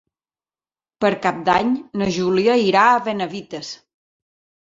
Per Cap d'Any na Júlia irà a Benavites.